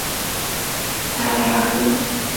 萨莱尔姆。